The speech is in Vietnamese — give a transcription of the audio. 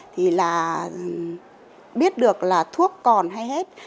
thì là biết được là thuốc còn hay hết